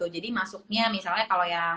jadi masuknya misalnya kalo yang